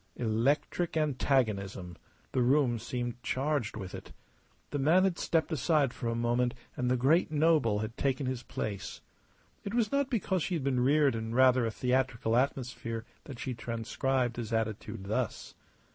Electric antagonism the room seemed charged with it. The man had stepped aside for a moment and the great noble had taken his place. It was not because she had been reared in rather a theatrical atmosphere that she transcribed his attitude thus.